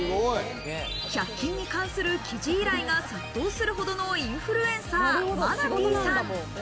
１００均に関する記事依頼が殺到するほどのインフルエンサー、マナティさん。